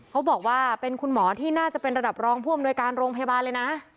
เขาบอกว่าเป็นคุณหมอที่น่าจะเป็นระดับรองผู้อำนวยการโรงพยาบาลเลยนะ